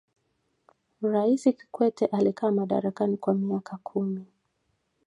raisi kikwete alikaa madarakani kwa miaka kumi